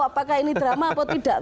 apakah ini drama atau tidak